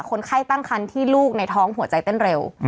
คนไข้ตั้งคันที่ลูกในท้องหัวใจเต้นเร็ว